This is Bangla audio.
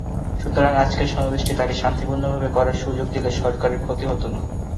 সুতরাং আজকের সমাবেশটি তাঁকে শান্তিপূর্ণভাবে করার সুযোগ দিলে সরকারের ক্ষতি হতো না।